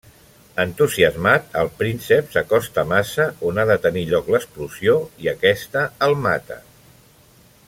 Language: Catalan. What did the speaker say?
Entusiasmat, el príncep s'acosta massa on ha de tenir lloc l'explosió i aquesta el mata.